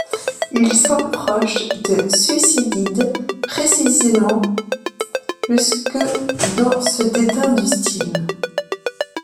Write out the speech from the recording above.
Il semble proche de Thucydide précisément jusque dans ce dédain du style.